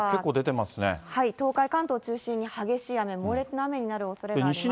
東海、関東を中心に激しい雨、猛烈な雨になるおそれがあります。